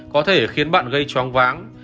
có thể khiến bạn gây choáng váng